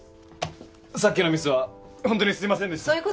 さっきのミスはホントにすいませんでした。